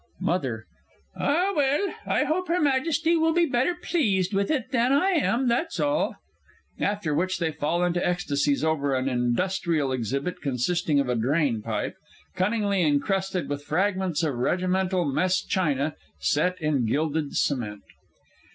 MOTHER. Ah, well, I hope Her Majesty will be better pleased with it than I am, that's all. [_After which they fall into ecstasies over an industrial exhibit consisting of a drain pipe, cunningly encrusted with fragments of regimental mess china set in gilded cement.